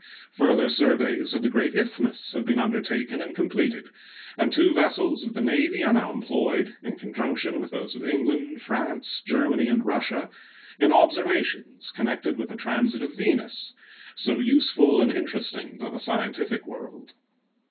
Further surveys of the great Isthmus have been undertaken and completed, and two vessels of the Navy are now employed, in conjunction with those of England, France, Germany, and Russia, in observations connected with the transit of Venus, so useful and interesting to the scientific world.